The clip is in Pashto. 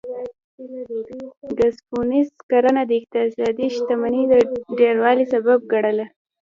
ګزنفون کرنه د اقتصادي شتمنۍ د ډیروالي سبب ګڼله